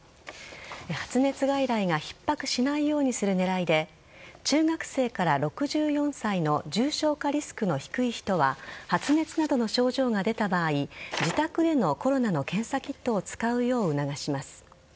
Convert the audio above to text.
発熱外来がひっ迫しないようにする狙いで中学生から６４歳の重症化リスクの低い人は発熱などの症状が出た場合自宅でのコロナの検査キットを使うよう促します。